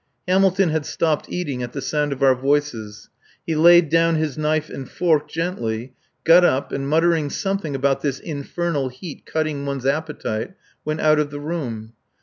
Hamilton had stopped eating at the sound of our voices. He laid down his knife and fork gently, got up, and muttering something about "this infernal heat cutting one's appetite," went out of the room.